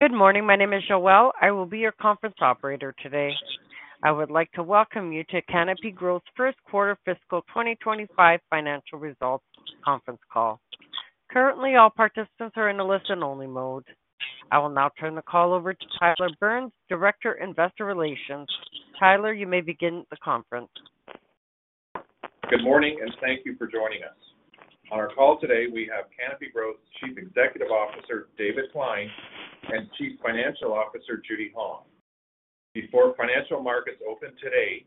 Good morning. My name is Joelle. I will be your conference operator today. I would like to welcome you to Canopy Growth's first quarter fiscal 2025 financial results conference call. Currently, all participants are in a listen-only mode. I will now turn the call over to Tyler Burns, Director, Investor Relations. Tyler, you may begin the conference. Good morning, and thank you for joining us. On our call today, we have Canopy Growth's Chief Executive Officer, David Klein, and Chief Financial Officer, Judy Hong. Before financial markets opened today,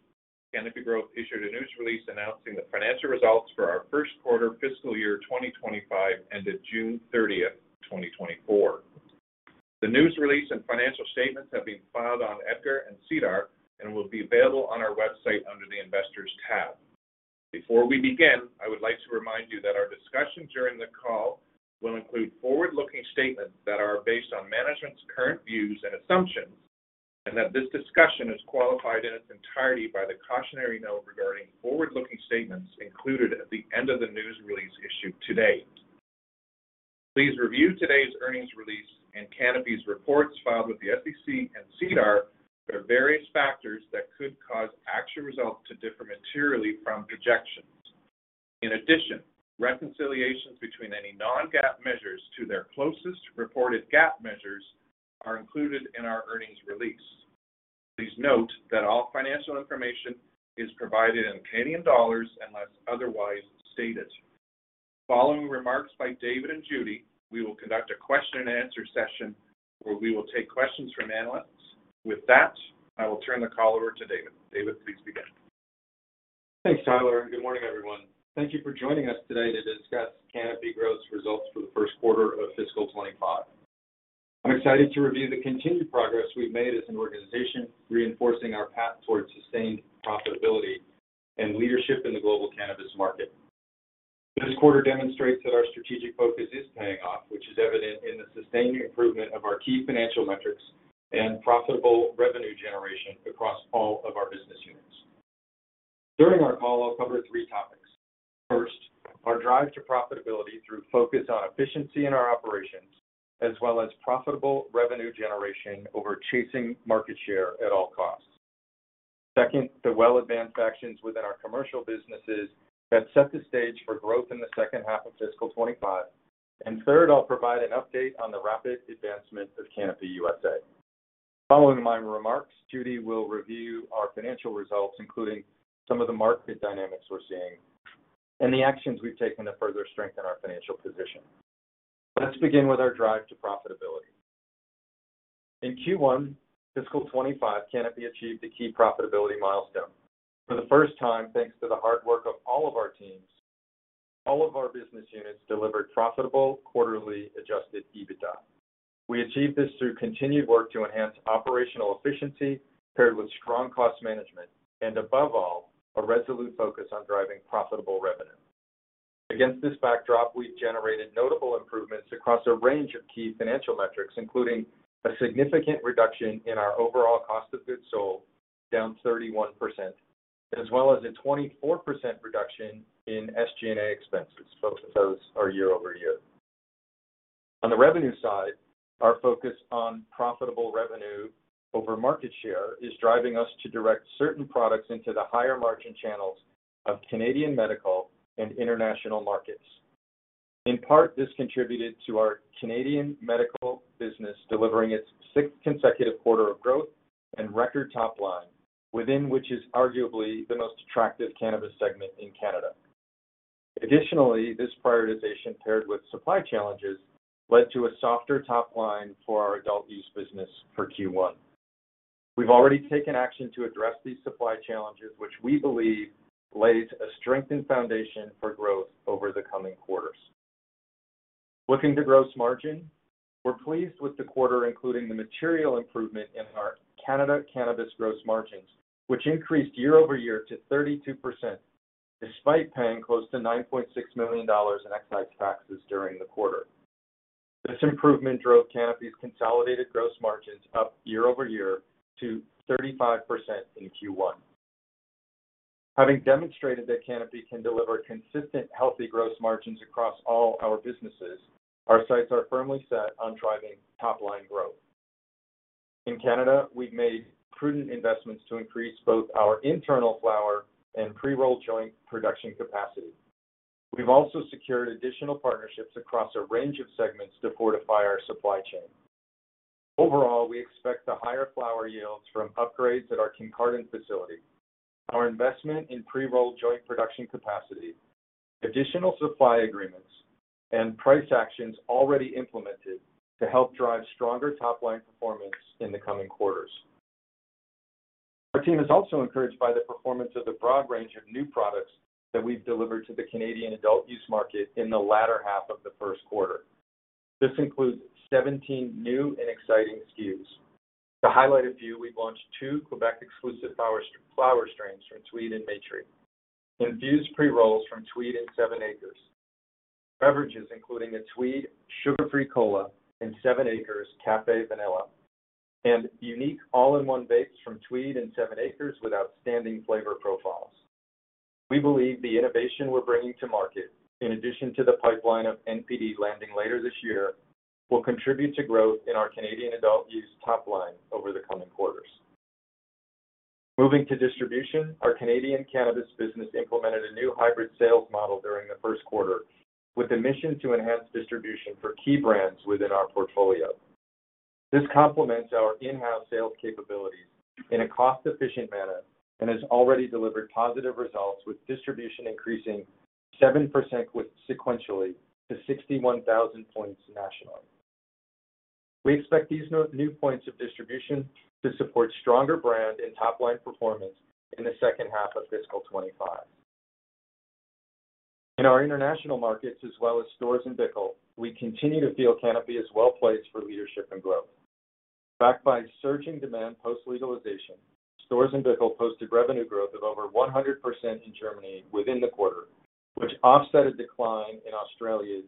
Canopy Growth issued a news release announcing the financial results for our first quarter fiscal year 2025, ended June 30, 2024. The news release and financial statements have been filed on EDGAR and SEDAR and will be available on our website under the Investors tab. Before we begin, I would like to remind you that our discussion during the call will include forward-looking statements that are based on management's current views and assumptions, and that this discussion is qualified in its entirety by the cautionary note regarding forward-looking statements included at the end of the news release issued today. Please review today's earnings release and Canopy's reports filed with the SEC and SEDAR for various factors that could cause actual results to differ materially from projections. In addition, reconciliations between any non-GAAP measures to their closest reported GAAP measures are included in our earnings release. Please note that all financial information is provided in Canadian dollars unless otherwise stated. Following remarks by David and Judy, we will conduct a question-and-answer session, where we will take questions from analysts. With that, I will turn the call over to David. David, please begin. Thanks, Tyler, and good morning, everyone. Thank you for joining us today to discuss Canopy Growth's results for the first quarter of fiscal 2025. I'm excited to review the continued progress we've made as an organization, reinforcing our path towards sustained profitability and leadership in the global cannabis market. This quarter demonstrates that our strategic focus is paying off, which is evident in the sustained improvement of our key financial metrics and profitable revenue generation across all of our business units. During our call, I'll cover three topics. First, our drive to profitability through focus on efficiency in our operations, as well as profitable revenue generation over chasing market share at all costs. Second, the well-advanced actions within our commercial businesses that set the stage for growth in the second half of fiscal 2025. And third, I'll provide an update on the rapid advancement of Canopy USA. Following my remarks, Judy will review our financial results, including some of the market dynamics we're seeing and the actions we've taken to further strengthen our financial position. Let's begin with our drive to profitability. In Q1 fiscal 2025, Canopy achieved a key profitability milestone. For the first time, thanks to the hard work of all of our teams, all of our business units delivered profitable quarterly Adjusted EBITDA. We achieved this through continued work to enhance operational efficiency, paired with strong cost management, and above all, a resolute focus on driving profitable revenue. Against this backdrop, we've generated notable improvements across a range of key financial metrics, including a significant reduction in our overall cost of goods sold, down 31%, as well as a 24% reduction in SG&A expenses. Both of those are year-over-year. On the revenue side, our focus on profitable revenue over market share is driving us to direct certain products into the higher-margin channels of Canadian medical and international markets. In part, this contributed to our Canadian medical business delivering its sixth consecutive quarter of growth and record top line, within which is arguably the most attractive cannabis segment in Canada. Additionally, this prioritization, paired with supply challenges, led to a softer top line for our adult use business for Q1. We've already taken action to address these supply challenges, which we believe lays a strengthened foundation for growth over the coming quarters. Looking to gross margin, we're pleased with the quarter, including the material improvement in our Canada cannabis gross margins, which increased year-over-year to 32%, despite paying close to 9.6 million dollars in excise taxes during the quarter. This improvement drove Canopy's consolidated gross margins up year-over-year to 35% in Q1. Having demonstrated that Canopy can deliver consistent, healthy gross margins across all our businesses, our sights are firmly set on driving top-line growth. In Canada, we've made prudent investments to increase both our internal flower and pre-rolled joint production capacity. We've also secured additional partnerships across a range of segments to fortify our supply chain. Overall, we expect the higher flower yields from upgrades at our Kincardine facility, our investment in pre-rolled joint production capacity, additional supply agreements, and price actions already implemented to help drive stronger top-line performance in the coming quarters. Our team is also encouraged by the performance of the broad range of new products that we've delivered to the Canadian adult use market in the latter half of the first quarter. This includes 17 new and exciting SKUs. To highlight a few, we've launched two Quebec-exclusive flower, flower strains from Tweed and Vert, infused pre-rolls from Tweed and 7ACRES, beverages, including a Tweed Sugar Free Cola and 7ACRES Café Vanilla, and unique all-in-one vapes from Tweed and 7ACRES with outstanding flavor profiles.... We believe the innovation we're bringing to market, in addition to the pipeline of NPD landing later this year, will contribute to growth in our Canadian adult use top line over the coming quarters. Moving to distribution, our Canadian cannabis business implemented a new hybrid sales model during the first quarter, with a mission to enhance distribution for key brands within our portfolio. This complements our in-house sales capabilities in a cost-efficient manner and has already delivered positive results, with distribution increasing 7% sequentially to 61,000 points nationally. We expect these new points of distribution to support stronger brand and top-line performance in the second half of fiscal 2025. In our international markets, as well as Storz & Bickel, we continue to feel Canopy is well-placed for leadership and growth. Backed by surging demand post-legalization, Storz & Bickel posted revenue growth of over 100% in Germany within the quarter, which offset a decline in Australia,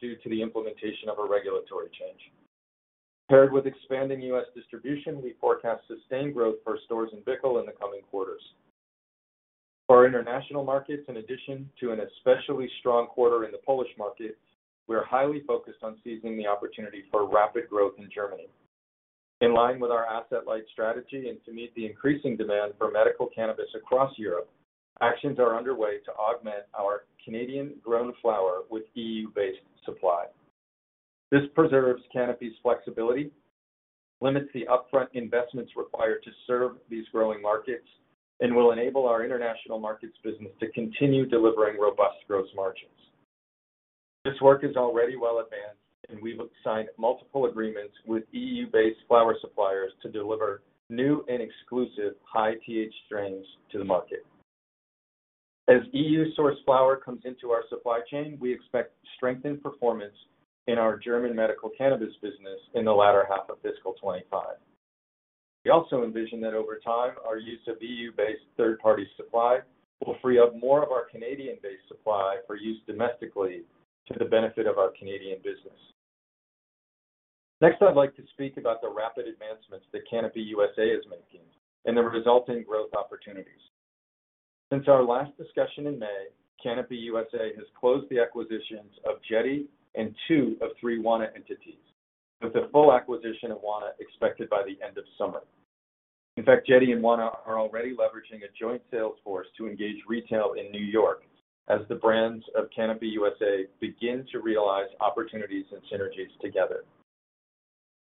due to the implementation of a regulatory change. Paired with expanding U.S. distribution, we forecast sustained growth for Storz & Bickel in the coming quarters. For our international markets, in addition to an especially strong quarter in the Polish market, we are highly focused on seizing the opportunity for rapid growth in Germany. In line with our asset-light strategy and to meet the increasing demand for medical cannabis across Europe, actions are underway to augment our Canadian-grown flower with EU-based supply. This preserves Canopy's flexibility, limits the upfront investments required to serve these growing markets, and will enable our international markets business to continue delivering robust gross margins. This work is already well advanced, and we've signed multiple agreements with EU-based flower suppliers to deliver new and exclusive high THC strains to the market. As EU-sourced flower comes into our supply chain, we expect strengthened performance in our German medical cannabis business in the latter half of fiscal 2025. We also envision that over time, our use of EU-based third-party supply will free up more of our Canadian-based supply for use domestically to the benefit of our Canadian business. Next, I'd like to speak about the rapid advancements that Canopy USA is making and the resulting growth opportunities. Since our last discussion in May, Canopy USA has closed the acquisitions of Jetty and two of three Wana entities, with the full acquisition of Wana expected by the end of summer. In fact, Jetty and Wana are already leveraging a joint sales force to engage retail in New York as the brands of Canopy USA begin to realize opportunities and synergies together.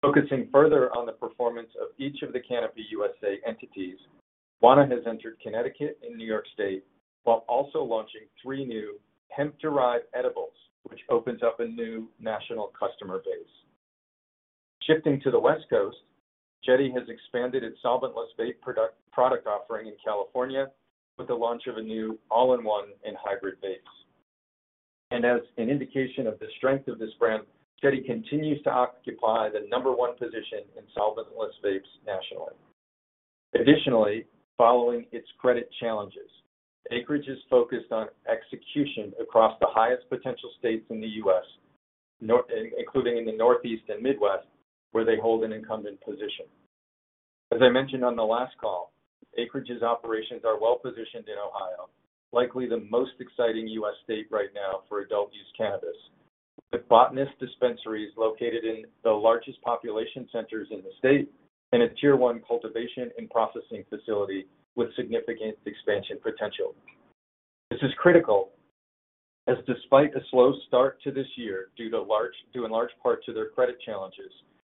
Focusing further on the performance of each of the Canopy USA entities, Wana has entered Connecticut and New York State, while also launching three new hemp-derived edibles, which opens up a new national customer base. Shifting to the West Coast, Jetty has expanded its solventless vape product, product offering in California with the launch of a new all-in-one and hybrid vapes. As an indication of the strength of this brand, Jetty continues to occupy the number one position in solventless vapes nationally. Additionally, following its credit challenges, Acreage is focused on execution across the highest potential states in the U.S., including in the Northeast and Midwest, where they hold an incumbent position. As I mentioned on the last call, Acreage's operations are well-positioned in Ohio, likely the most exciting U.S. state right now for adult-use cannabis, with Botanist dispensaries located in the largest population centers in the state and a Tier One cultivation and processing facility with significant expansion potential. This is critical, as despite a slow start to this year, due in large part to their credit challenges,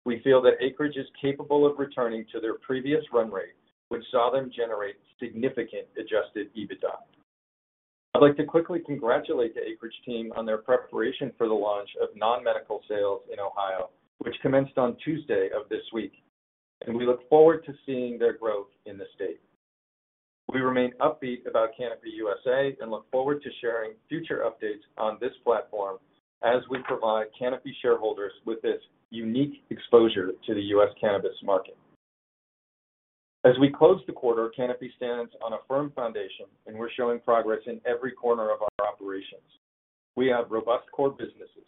we feel that Acreage is capable of returning to their previous run rate, which saw them generate significant adjusted EBITDA. I'd like to quickly congratulate the Acreage team on their preparation for the launch of non-medical sales in Ohio, which commenced on Tuesday of this week, and we look forward to seeing their growth in the state. We remain upbeat about Canopy USA and look forward to sharing future updates on this platform as we provide Canopy shareholders with this unique exposure to the U.S. cannabis market. As we close the quarter, Canopy stands on a firm foundation, and we're showing progress in every corner of our operations. We have robust core businesses,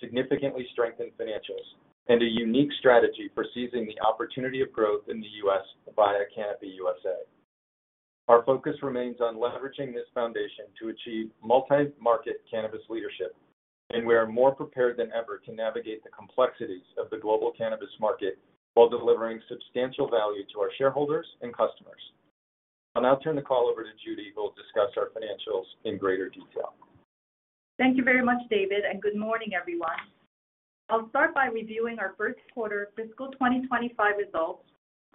significantly strengthened financials, and a unique strategy for seizing the opportunity of growth in the U.S. via Canopy USA. Our focus remains on leveraging this foundation to achieve multi-market cannabis leadership, and we are more prepared than ever to navigate the complexities of the global cannabis market while delivering substantial value to our shareholders and customers. I'll now turn the call over to Judy, who will discuss our financials in greater detail. Thank you very much, David, and good morning, everyone. I'll start by reviewing our first quarter fiscal 2025 results.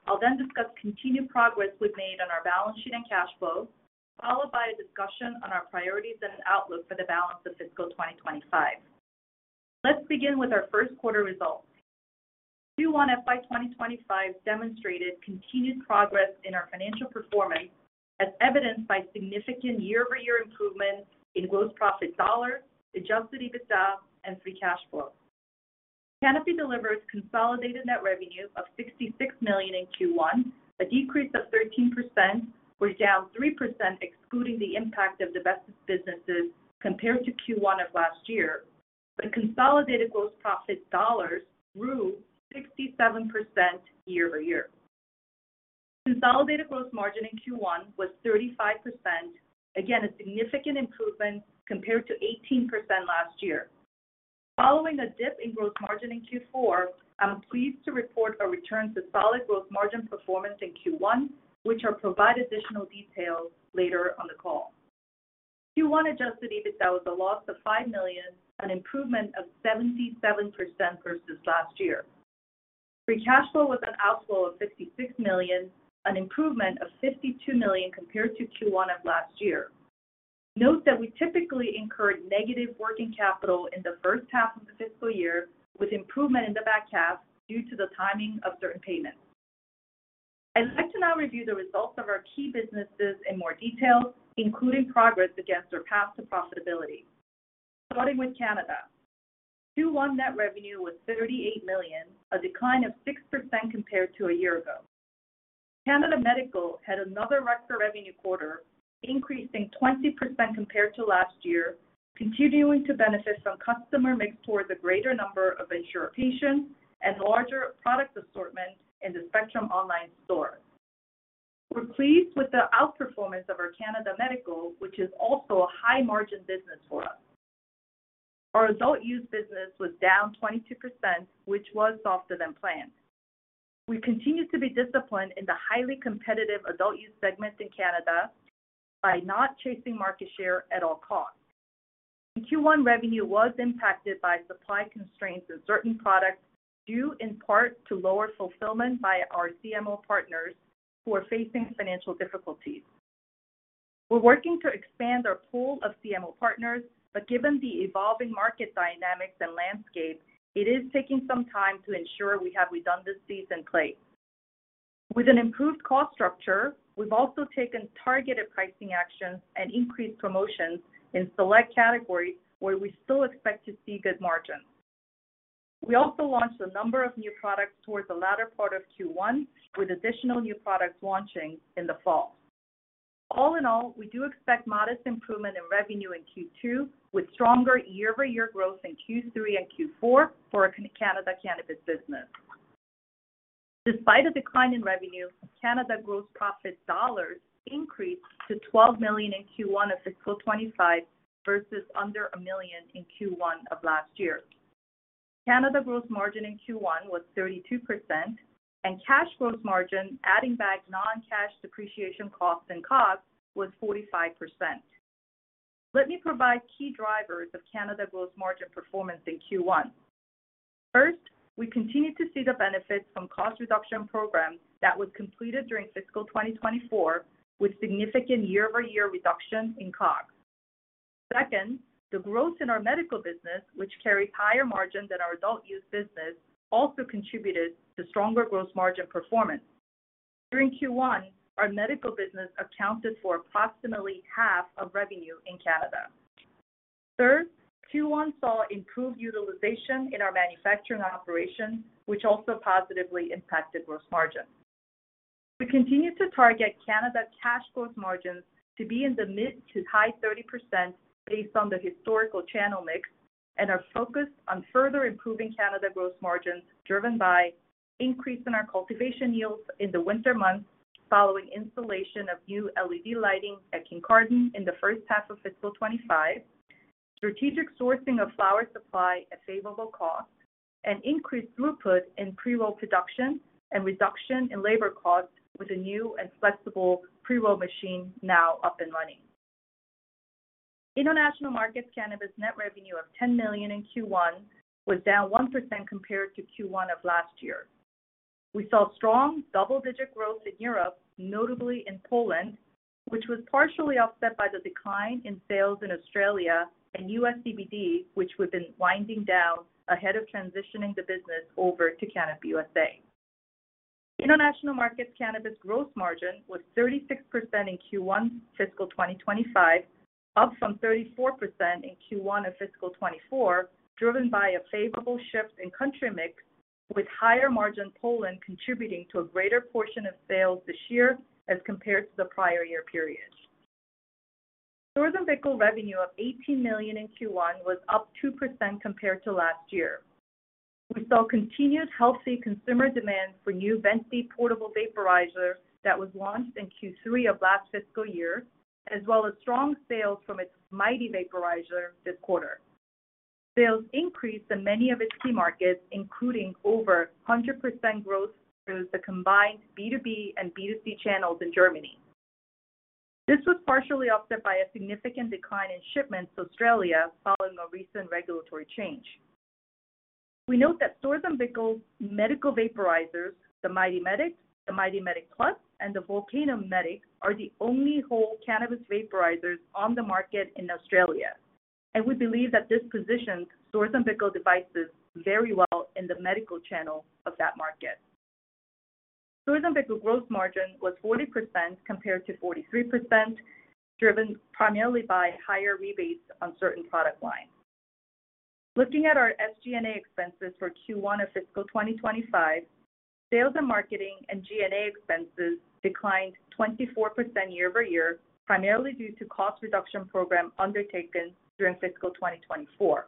I'll then discuss continued progress we've made on our balance sheet and cash flow, followed by a discussion on our priorities and outlook for the balance of fiscal 2025. Let's begin with our first quarter results. Q1 FY 2025 demonstrated continued progress in our financial performance, as evidenced by significant year-over-year improvement in gross profit dollar, adjusted EBITDA, and free cash flow. Canopy delivered consolidated net revenue of 66 million in Q1, a decrease of 13%, or down 3% excluding the impact of divested businesses compared to Q1 of last year. But consolidated gross profit dollars grew 67% year-over-year. Consolidated gross margin in Q1 was 35%. Again, a significant improvement compared to 18% last year. Following a dip in gross margin in Q4, I'm pleased to report a return to solid gross margin performance in Q1, which I'll provide additional details later on the call. Q1 Adjusted EBITDA was a loss of 5 million, an improvement of 77% versus last year. Free cash flow was an outflow of 56 million, an improvement of 52 million compared to Q1 of last year. Note that we typically incur negative working capital in the first half of the fiscal year, with improvement in the back half due to the timing of certain payments. I'd like to now review the results of our key businesses in more detail, including progress against our path to profitability. Starting with Canada. Q1 net revenue was 38 million, a decline of 6% compared to a year ago. Canada Medical had another record revenue quarter, increasing 20% compared to last year, continuing to benefit from customer mix towards a greater number of insured patients and larger product assortment in the Spectrum online store. We're pleased with the outperformance of our Canada Medical, which is also a high-margin business for us. Our adult use business was down 22%, which was softer than planned. We continue to be disciplined in the highly competitive adult use segment in Canada by not chasing market share at all costs. Q1 revenue was impacted by supply constraints in certain products, due in part to lower fulfillment by our CMO partners, who are facing financial difficulties. We're working to expand our pool of CMO partners, but given the evolving market dynamics and landscape, it is taking some time to ensure we have redundancies in place. With an improved cost structure, we've also taken targeted pricing actions and increased promotions in select categories where we still expect to see good margins. We also launched a number of new products towards the latter part of Q1, with additional new products launching in the fall. All in all, we do expect modest improvement in revenue in Q2, with stronger year-over-year growth in Q3 and Q4 for our Canada cannabis business. Despite a decline in revenue, Canada gross profit dollars increased to 12 million in Q1 of fiscal 2025 versus under 1 million in Q1 of last year. Canada gross margin in Q1 was 32%, and cash gross margin, adding back non-cash depreciation costs and COGS, was 45%. Let me provide key drivers of Canada gross margin performance in Q1. First, we continue to see the benefits from cost reduction programs that was completed during fiscal 2024, with significant year-over-year reduction in COGS. Second, the growth in our medical business, which carries higher margin than our adult use business, also contributed to stronger gross margin performance. During Q1, our medical business accounted for approximately half of revenue in Canada. Third, Q1 saw improved utilization in our manufacturing operations, which also positively impacted gross margin. We continue to target Canada cash gross margins to be in the mid- to high 30% based on the historical channel mix, and are focused on further improving Canada gross margins, driven by increase in our cultivation yields in the winter months following installation of new LED lighting at Kincardine in the first half of fiscal 2025, strategic sourcing of flower supply at favorable cost, and increased throughput in pre-roll production and reduction in labor costs with a new and flexible pre-roll machine now up and running. International Markets Cannabis net revenue of 10 million in Q1 was down 1% compared to Q1 of last year. We saw strong double-digit growth in Europe, notably in Poland, which was partially offset by the decline in sales in Australia and U.S. CBD, which we've been winding down ahead of transitioning the business over to Canopy USA. International Markets Cannabis gross margin was 36% in Q1 fiscal 2025, up from 34% in Q1 of fiscal 2024, driven by a favorable shift in country mix, with higher margin Poland contributing to a greater portion of sales this year as compared to the prior year period. Storz & Bickel revenue of 18 million in Q1 was up 2% compared to last year. We saw continued healthy consumer demand for new VENTY portable vaporizer that was launched in Q3 of last fiscal year, as well as strong sales from its Mighty vaporizer this quarter. Sales increased in many of its key markets, including over 100% growth through the combined B2B and B2C channels in Germany. This was partially offset by a significant decline in shipments to Australia following a recent regulatory change. We note that Storz & Bickel medical vaporizers, the MIGHTY MEDIC, the MIGHTY MEDIC+, and the VOLCANO MEDIC, are the only whole cannabis vaporizers on the market in Australia, and we believe that this positions Storz & Bickel devices very well in the medical channel of that market. Storz & Bickel gross margin was 40% compared to 43%, driven primarily by higher rebates on certain product lines. Looking at our SG&A expenses for Q1 of fiscal 2025. Sales and marketing and G&A expenses declined 24% year-over-year, primarily due to cost reduction program undertaken during fiscal 2024.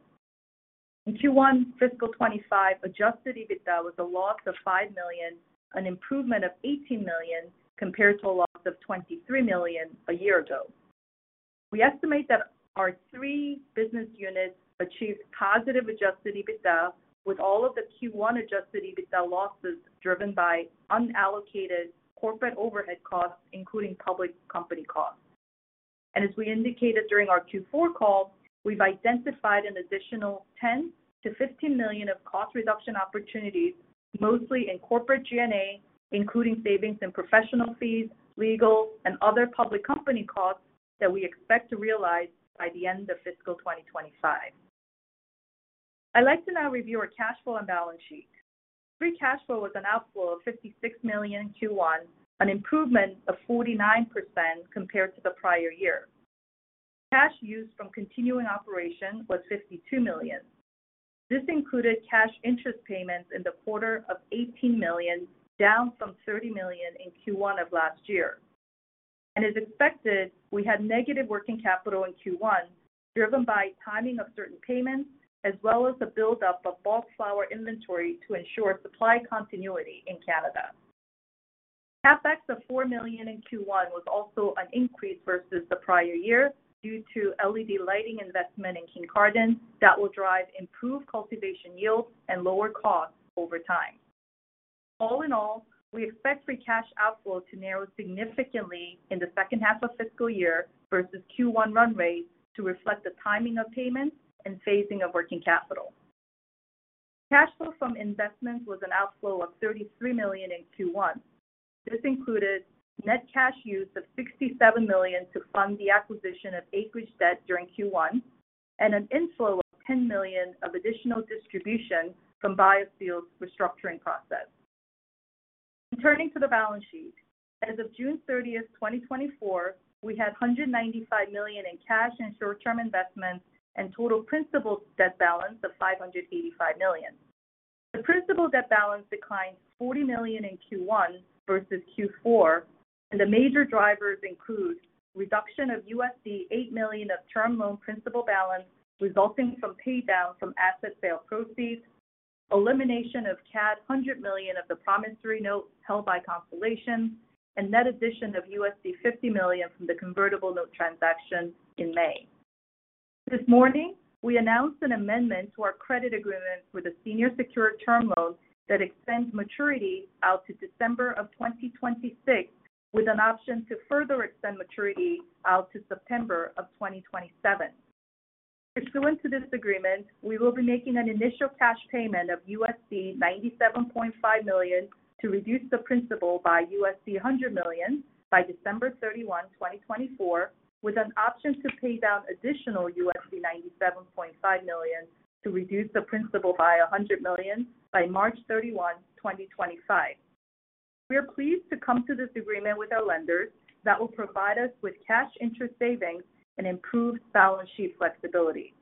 In Q1 fiscal 2025, adjusted EBITDA was a loss of 5 million, an improvement of 18 million, compared to a loss of 23 million a year ago. We estimate that our three business units achieved positive adjusted EBITDA, with all of the Q1 adjusted EBITDA losses driven by unallocated corporate overhead costs, including public company costs. As we indicated during our Q4 call, we've identified an additional 10-15 million of cost reduction opportunities, mostly in corporate G&A, including savings in professional fees, legal, and other public company costs that we expect to realize by the end of fiscal 2025. I'd like to now review our cash flow and balance sheet. Free cash flow was an outflow of 56 million in Q1, an improvement of 49% compared to the prior year. Cash use from continuing operation was 52 million. This included cash interest payments in the quarter of 18 million, down from 30 million in Q1 of last year. As expected, we had negative working capital in Q1, driven by timing of certain payments, as well as the buildup of bulk flower inventory to ensure supply continuity in Canada. CapEx of 4 million in Q1 was also an increase versus the prior year, due to LED lighting investment in Kincardine that will drive improved cultivation yields and lower costs over time. All in all, we expect free cash outflow to narrow significantly in the second half of fiscal year versus Q1 run rate, to reflect the timing of payments and phasing of working capital. Cash flow from investments was an outflow of 33 million in Q1. This included net cash use of 67 million to fund the acquisition of Acreage debt during Q1, and an inflow of 10 million of additional distribution from BioSteel restructuring process. Turning to the balance sheet, as of June 30, 2024, we had $195 million in cash and short-term investments, and total principal debt balance of $585 million. The principal debt balance declined $40 million in Q1 versus Q4, and the major drivers include reduction of $8 million of term loan principal balance, resulting from pay down from asset sale proceeds, elimination of CAD 100 million of the promissory notes held by Constellation, and net addition of $50 million from the convertible note transaction in May. This morning, we announced an amendment to our credit agreement with a senior secured term loan that extends maturity out to December of 2026, with an option to further extend maturity out to September of 2027. Pursuant to this agreement, we will be making an initial cash payment of $97.5 million to reduce the principal by $100 million by December 31, 2024, with an option to pay down additional $97.5 million to reduce the principal by 100 million by March 31, 2025. We are pleased to come to this agreement with our lenders that will provide us with cash interest savings and improved balance sheet flexibility.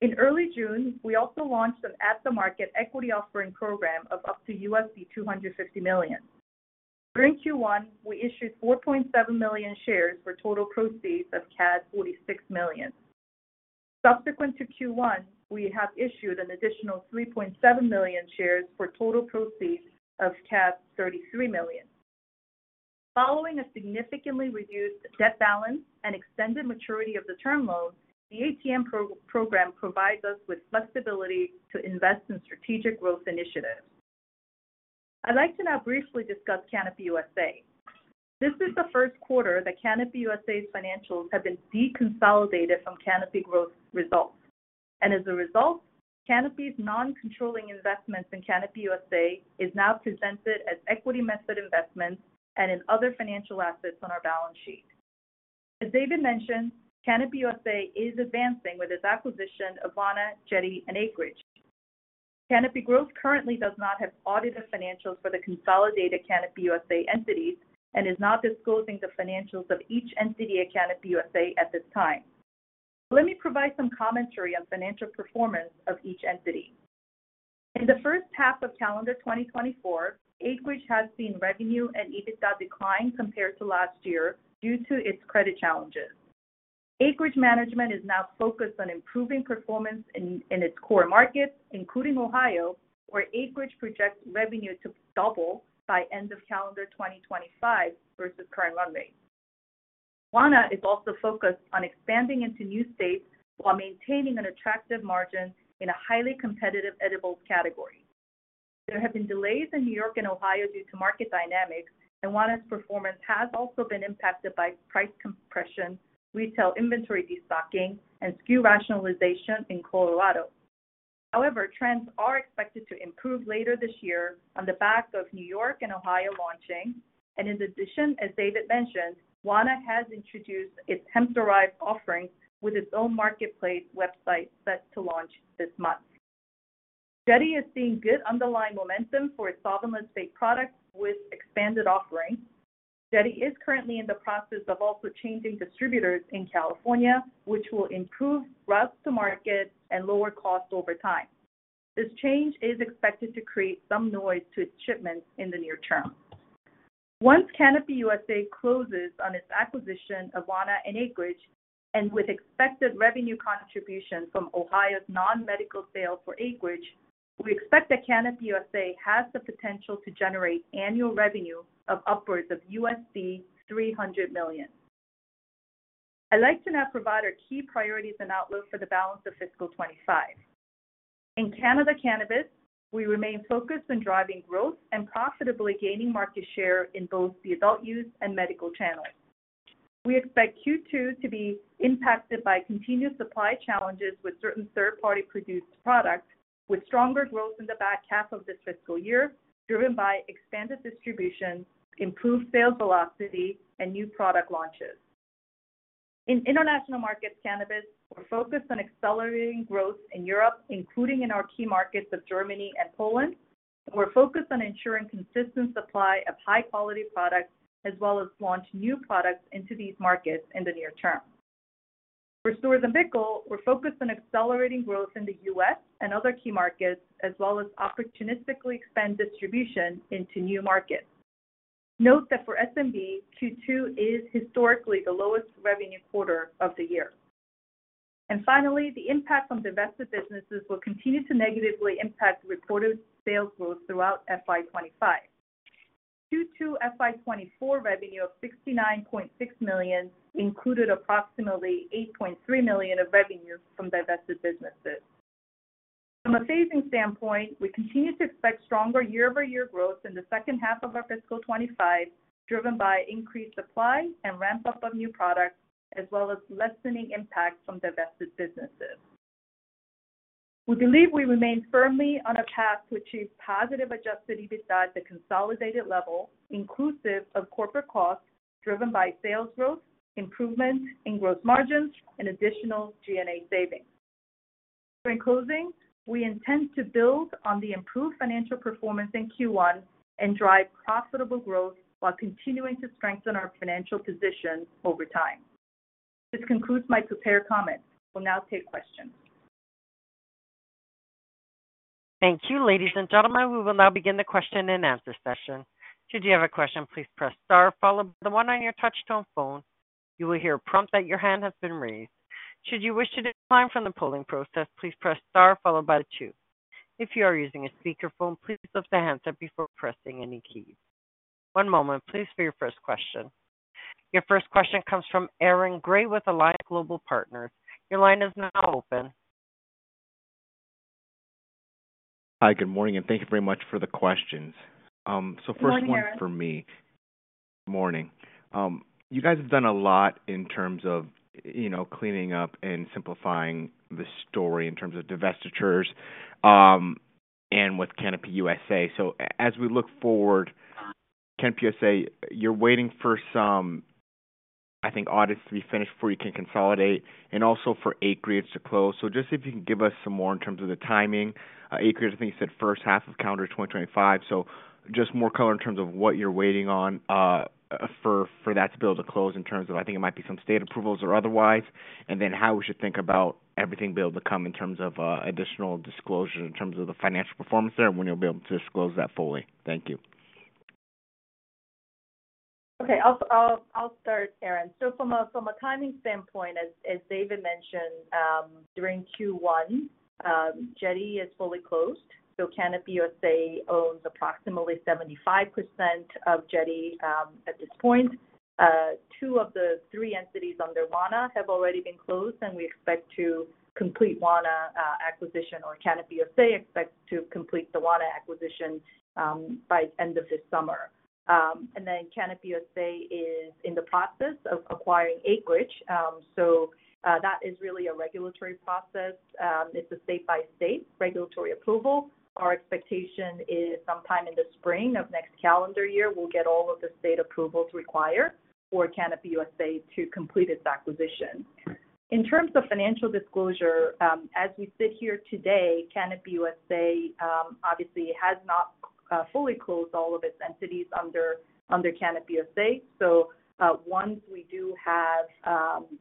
In early June, we also launched an at-the-market equity offering program of up to $250 million. During Q1, we issued 4.7 million shares for total proceeds of CAD 46 million. Subsequent to Q1, we have issued an additional 3.7 million shares for total proceeds of 33 million. Following a significantly reduced debt balance and extended maturity of the term loan, the ATM program provides us with flexibility to invest in strategic growth initiatives. I'd like to now briefly discuss Canopy USA. This is the first quarter that Canopy USA's financials have been deconsolidated from Canopy Growth results. And as a result, Canopy's non-controlling investments in Canopy USA is now presented as equity method investments and in other financial assets on our balance sheet. As David mentioned, Canopy USA is advancing with its acquisition of Wana, Jetty, and Acreage. Canopy Growth currently does not have audited financials for the consolidated Canopy USA entities and is not disclosing the financials of each entity at Canopy USA at this time. Let me provide some commentary on financial performance of each entity. In the first half of calendar 2024, Acreage has seen revenue and EBITDA decline compared to last year due to its credit challenges. Acreage management is now focused on improving performance in its core markets, including Ohio, where Acreage projects revenue to double by end of calendar 2025 versus current run rate. Wana is also focused on expanding into new states while maintaining an attractive margin in a highly competitive edibles category. There have been delays in New York and Ohio due to market dynamics, and Wana's performance has also been impacted by price compression, retail inventory destocking, and SKU rationalization in Colorado. However, trends are expected to improve later this year on the back of New York and Ohio launching. And in addition, as David mentioned, Wana has introduced its hemp-derived offerings with its own marketplace website set to launch this month. Jetty is seeing good underlying momentum for its solventless vape products with expanded offerings. Jetty is currently in the process of also changing distributors in California, which will improve routes to market and lower costs over time. This change is expected to create some noise to its shipments in the near term. Once Canopy USA closes on its acquisition of Wana and Acreage, and with expected revenue contribution from Ohio's non-medical sales for Acreage, we expect that Canopy USA has the potential to generate annual revenue of upwards of $300 million. I'd like to now provide our key priorities and outlook for the balance of fiscal 25. In Canada Cannabis, we remain focused on driving growth and profitably gaining market share in both the adult use and medical channels. We expect Q2 to be impacted by continued supply challenges with certain third-party produced products, with stronger growth in the back half of this fiscal year, driven by expanded distribution, improved sales velocity, and new product launches. In international markets, cannabis, we're focused on accelerating growth in Europe, including in our key markets of Germany and Poland. We're focused on ensuring consistent supply of high-quality products, as well as launch new products into these markets in the near term. For Storz & Bickel, we're focused on accelerating growth in the U.S. and other key markets, as well as opportunistically expand distribution into new markets. Note that for Storz & Bickel, Q2 is historically the lowest revenue quarter of the year. Finally, the impact from divested businesses will continue to negatively impact reported sales growth throughout FY 2025. Q2 FY 2024 revenue of 69.6 million included approximately 8.3 million of revenue from divested businesses. From a phasing standpoint, we continue to expect stronger year-over-year growth in the second half of our fiscal 2025, driven by increased supply and ramp-up of new products, as well as lessening impact from divested businesses. We believe we remain firmly on a path to achieve positive adjusted EBITDA at the consolidated level, inclusive of corporate costs, driven by sales growth, improvement in gross margins, and additional SG&A savings. In closing, we intend to build on the improved financial performance in Q1 and drive profitable growth while continuing to strengthen our financial position over time. This concludes my prepared comments. We'll now take questions. Thank you, ladies and gentlemen. We will now begin the question-and-answer session. Should you have a question, please press star followed by the one on your touchtone phone. You will hear a prompt that your hand has been raised. Should you wish to decline from the polling process, please press star followed by the two. If you are using a speakerphone, please lift the handset before pressing any keys. One moment, please, for your first question. Your first question comes from Aaron Gray with Alliance Global Partners. Your line is now open. Hi, good morning, and thank you very much for the questions. First one for me. Good morning, Aaron. Morning. You guys have done a lot in terms of, you know, cleaning up and simplifying the story in terms of divestitures, and with Canopy USA. So as we look forward, Canopy USA, you're waiting for some, I think, audits to be finished before you can consolidate and also for Acreage to close. So just if you can give us some more in terms of the timing. Acreage, I think, you said first half of calendar 2025. So just more color in terms of what you're waiting on, for that to be able to close in terms of, I think, it might be some state approvals or otherwise. And then how we should think about everything be able to come in terms of, additional disclosure, in terms of the financial performance there, and when you'll be able to disclose that fully. Thank you. Okay, I'll start, Aaron. So from a timing standpoint, as David mentioned, during Q1, Jetty is fully closed, so Canopy USA owns approximately 75% of Jetty at this point. Two of the three entities under Wana have already been closed, and we expect to complete Wana acquisition, or Canopy USA expects to complete the Wana acquisition, by end of this summer. And then Canopy USA is in the process of acquiring Acreage. So that is really a regulatory process. It's a state-by-state regulatory approval. Our expectation is sometime in the spring of next calendar year, we'll get all of the state approvals required for Canopy USA to complete its acquisition. In terms of financial disclosure, as we sit here today, Canopy USA obviously has not fully closed all of its entities under, under Canopy USA. So, once we do have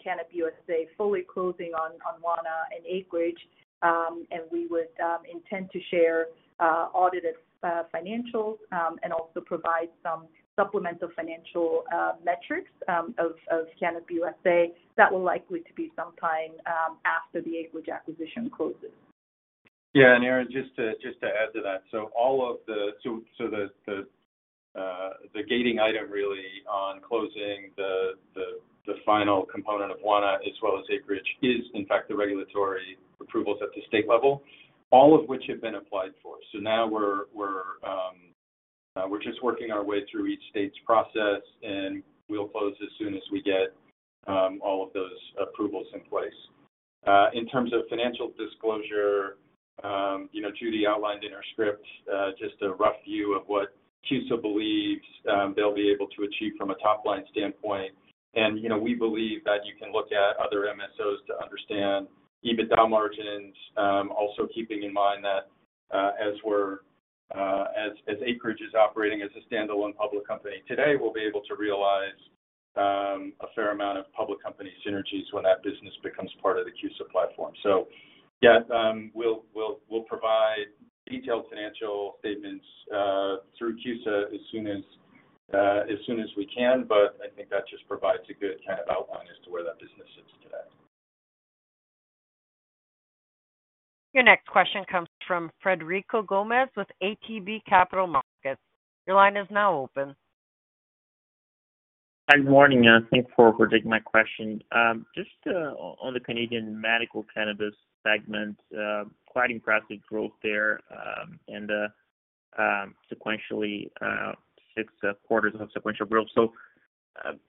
Canopy USA fully closing on, on Wana and Acreage, and we would intend to share audited financials and also provide some supplemental financial metrics of, of Canopy USA, that will likely to be sometime after the Acreage acquisition closes. Yeah, and Aaron, just to add to that. So the gating item really on closing the final component of Wana as well as Acreage is in fact the regulatory approvals at the state level, all of which have been applied for. So now we're just working our way through each state's process, and we'll close as soon as we get all of those approvals in place. In terms of financial disclosure, you know, Judy outlined in her script just a rough view of what Canopy USA believes they'll be able to achieve from a top-line standpoint. And, you know, we believe that you can look at other MSOs to understand EBITDA margins, also keeping in mind that-... As Acreage is operating as a standalone public company today, we'll be able to realize a fair amount of public company synergies when that business becomes part of the CUSA platform. So yes, we'll provide detailed financial statements through CUSA as soon as we can, but I think that just provides a good kind of outline as to where that business sits today. Your next question comes from Frederico Gomes with ATB Capital Markets. Your line is now open. Hi, good morning, and thanks for taking my question. Just on the Canadian medical cannabis segment, quite impressive growth there, and sequentially six quarters of sequential growth. So,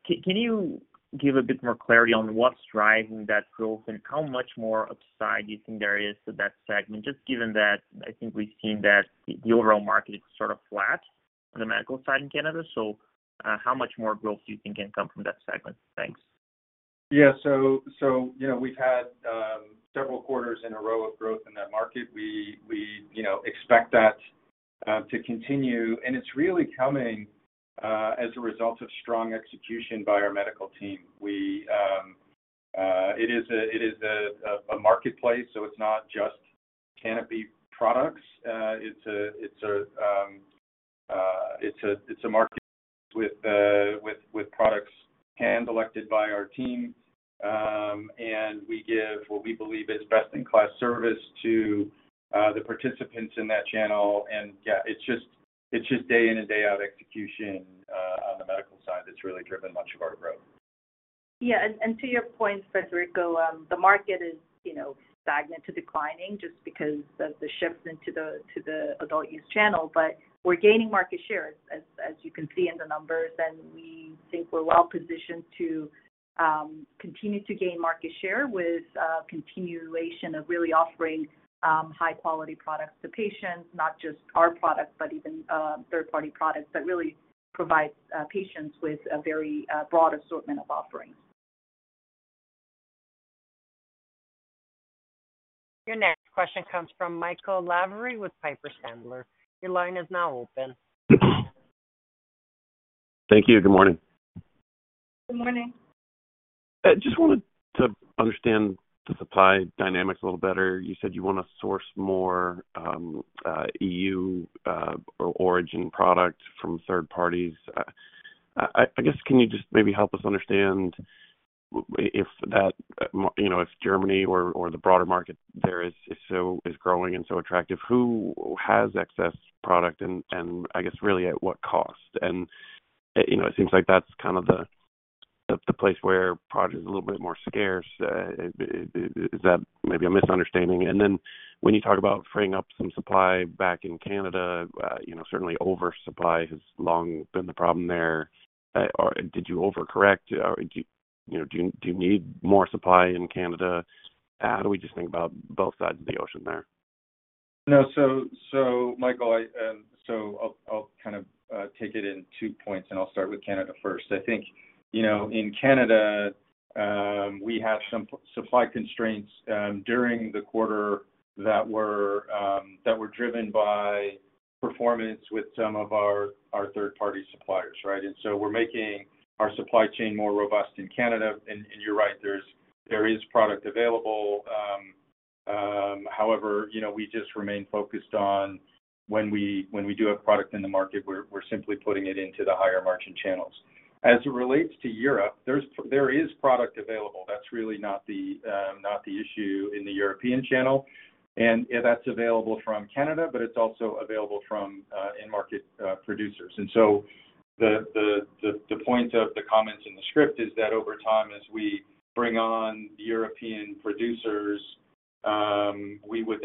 can you give a bit more clarity on what's driving that growth, and how much more upside do you think there is to that segment? Just given that, I think we've seen that the overall market is sort of flat on the medical side in Canada, so how much more growth do you think can come from that segment? Thanks. Yeah, so, you know, we've had several quarters in a row of growth in that market. We, you know, expect that to continue, and it's really coming as a result of strong execution by our medical team. It is a marketplace, so it's not just Canopy products. It's a market with products hand-selected by our team. And we give what we believe is best-in-class service to the participants in that channel. And yeah, it's just day in and day out execution on the medical side that's really driven much of our growth. Yeah, and to your point, Frederico, the market is, you know, stagnant to declining just because of the shift into the adult use channel. But we're gaining market share, as you can see in the numbers, and we think we're well positioned to continue to gain market share with continuation of really offering high-quality products to patients. Not just our products, but even third-party products that really provide patients with a very broad assortment of offerings. Your next question comes from Michael Lavery with Piper Sandler. Your line is now open. Thank you. Good morning. Good morning. I just wanted to understand the supply dynamics a little better. You said you want to source more EU origin product from third parties. I guess, can you just maybe help us understand. You know, if Germany or the broader market there is growing and so attractive, who has excess product and I guess really at what cost? You know, it seems like that's kind of the place where product is a little bit more scarce. Is that maybe a misunderstanding? And then when you talk about freeing up some supply back in Canada, you know, certainly oversupply has long been the problem there. Or did you overcorrect? Or do you, you know, need more supply in Canada? How do we just think about both sides of the ocean there? No, Michael, so I'll kind of take it in two points, and I'll start with Canada first. I think, you know, in Canada, we had some supply constraints during the quarter that were driven by performance with some of our third-party suppliers, right? And so we're making our supply chain more robust in Canada. And you're right, there is product available. However, you know, we just remain focused on when we do have product in the market, we're simply putting it into the higher margin channels. As it relates to Europe, there is product available. That's really not the issue in the European channel, and that's available from Canada, but it's also available from in-market producers. And so the point of the comments in the script is that over time, as we bring on European producers, we would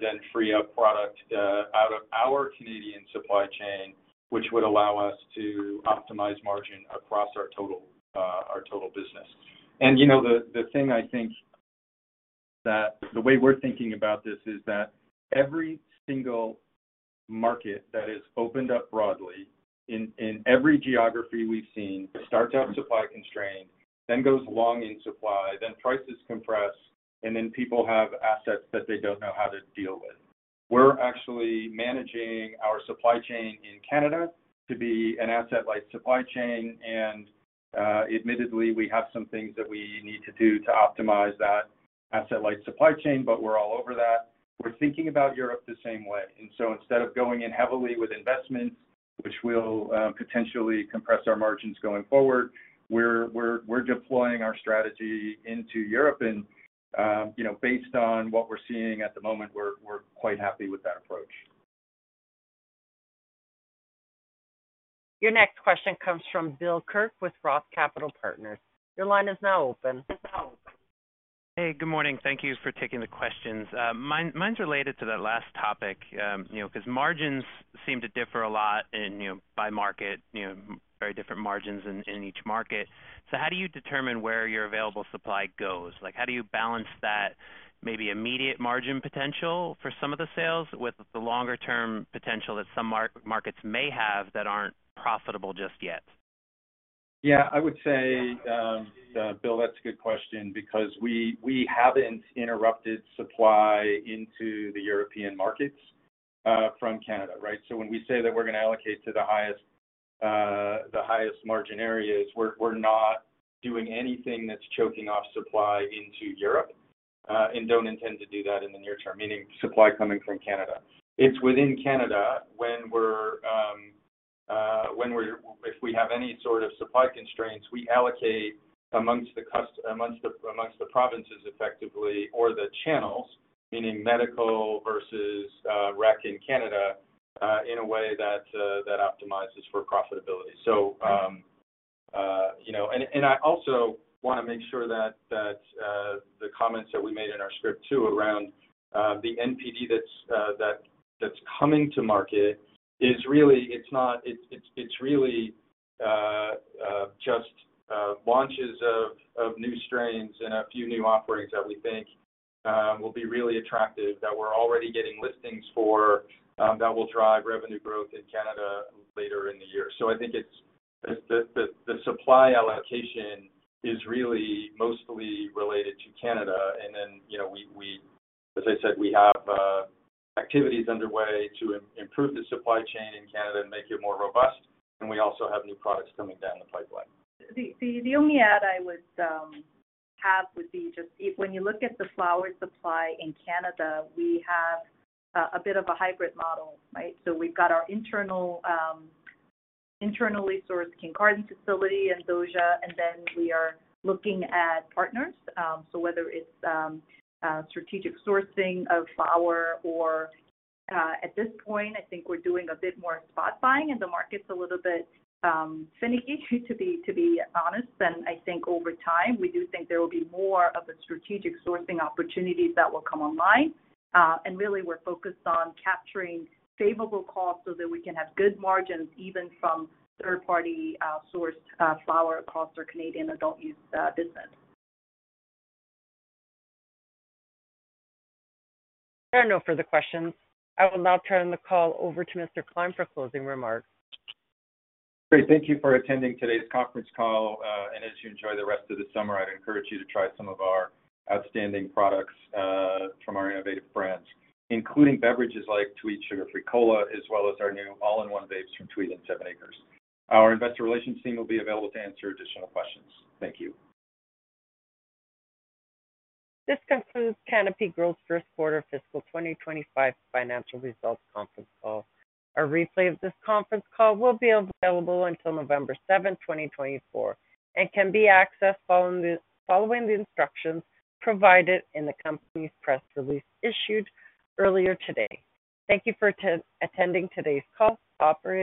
then free up product out of our Canadian supply chain, which would allow us to optimize margin across our total business. And, you know, the thing I think that the way we're thinking about this is that every single market that is opened up broadly, in every geography we've seen, it starts out supply constrained, then goes long in supply, then prices compress, and then people have assets that they don't know how to deal with. We're actually managing our supply chain in Canada to be an asset-light supply chain, and, admittedly, we have some things that we need to do to optimize that asset-light supply chain, but we're all over that. We're thinking about Europe the same way. Instead of going in heavily with investment, which will potentially compress our margins going forward, we're deploying our strategy into Europe, and you know, based on what we're seeing at the moment, we're quite happy with that approach. Your next question comes from Bill Kirk with Roth Capital Partners. Your line is now open. Hey, good morning. Thank you for taking the questions. Mine, mine's related to that last topic. You know, because margins seem to differ a lot and, you know, by market, you know, very different margins in each market. So how do you determine where your available supply goes? Like, how do you balance that maybe immediate margin potential for some of the sales, with the longer term potential that some markets may have that aren't profitable just yet? Yeah, I would say, Bill, that's a good question, because we, we haven't interrupted supply into the European markets from Canada, right? So when we say that we're gonna allocate to the highest the highest margin areas, we're, we're not doing anything that's choking off supply into Europe and don't intend to do that in the near term, meaning supply coming from Canada. It's within Canada, when we're if we have any sort of supply constraints, we allocate among the provinces effectively, or the channels, meaning medical versus rec in Canada, in a way that optimizes for profitability. So, you know. And I also wanna make sure that the comments that we made in our script, too, around the NPD that's coming to market is really, it's not, it's, it's really just launches of new strains and a few new offerings that we think will be really attractive, that we're already getting listings for, that will drive revenue growth in Canada later in the year. I think it's the supply allocation is really mostly related to Canada, and then, you know, as I said, we have activities underway to improve the supply chain in Canada and make it more robust, and we also have new products coming down the pipeline. The only add I would have would be just if when you look at the flower supply in Canada, we have a bit of a hybrid model, right? So we've got our internal, internally sourced Kincardine facility in DOJA, and then we are looking at partners. So whether it's strategic sourcing of flower or at this point, I think we're doing a bit more spot buying, and the market's a little bit finicky, to be honest. And I think over time, we do think there will be more of a strategic sourcing opportunities that will come online. And really, we're focused on capturing favorable costs so that we can have good margins, even from third-party sourced flower across our Canadian adult use business. There are no further questions. I will now turn the call over to Mr. Klein for closing remarks. Great. Thank you for attending today's conference call. As you enjoy the rest of the summer, I'd encourage you to try some of our outstanding products from our innovative brands, including beverages like Tweed Sugar Free Cola, as well as our new all-in-one vapes from Tweed and 7ACRES. Our investor relations team will be available to answer additional questions. Thank you. This concludes Canopy Growth's first quarter fiscal 2025 financial results conference call. A replay of this conference call will be available until November 7, 2024, and can be accessed following the instructions provided in the company's press release issued earlier today. Thank you for attending today's call. Operator?